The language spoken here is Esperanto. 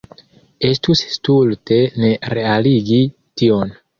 Estus stulte ne realigi tion.